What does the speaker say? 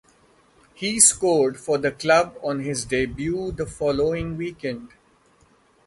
He scored for the club on his debut the following weekend.